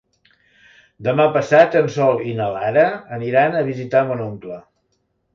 Demà passat en Sol i na Lara aniran a visitar mon oncle.